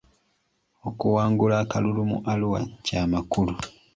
Okuwangula akalulu mu Arua ky'amakulu .